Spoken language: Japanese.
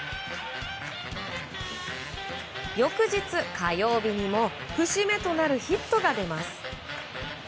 翌日、火曜日にも節目となるヒットが出ます。